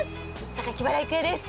原郁恵です。